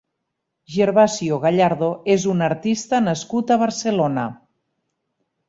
Gervasio Gallardo és un artista nascut a Barcelona.